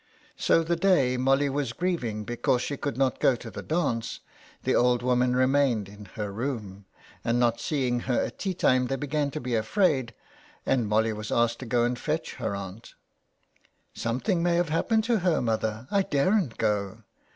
So the day Molly was grieving because she could not go to the dance the old woman remained in her room, and not seeing her at tea time they began to be afraid, and Molly was asked to go fetch her aunt. 249 THE WEDDING GOWN. " Something may have happened to her, mother. I daren't go."